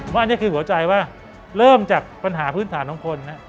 ว่าอันนี้คือหัวใจว่าเริ่มจากปัญหาพื้นฐานของคน